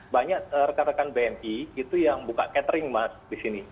banyak rekan rekan bni itu yang buka catering mas di sini